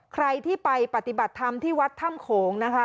ใครที่ไปปฏิบัติธรรมที่วัดถ้ำโขงนะคะ